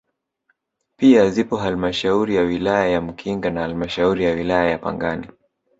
Pia zipo halmashauri ya wilaya ya Mkinga na halmashauri ya wilaya ya Pangani